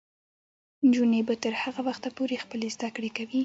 نجونې به تر هغه وخته پورې خپلې زده کړې کوي.